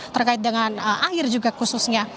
terkait dengan air juga khususnya